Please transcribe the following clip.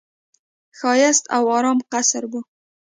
ښایسته او آرام قصر وو.